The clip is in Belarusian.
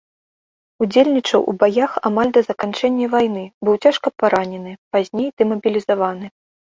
Удзельнічаў у баях амаль да заканчэння вайны, быў цяжка паранены, пазней дэмабілізаваны.